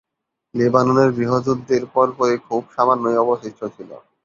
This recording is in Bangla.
লেবাননের গৃহযুদ্ধের পরপরই খুব সামান্যই অবশিষ্ট ছিল।